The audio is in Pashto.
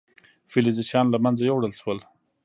فلزي شیان له منځه یوړل شول.